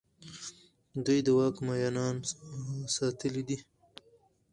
دوی د واک مينان ستايلي دي.